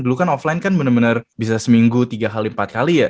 dulu kan offline kan benar benar bisa seminggu tiga kali empat kali ya